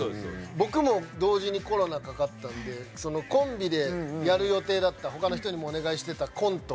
僕も同時にコロナかかったんでコンビでやる予定だったほかの人にもお願いしてたコント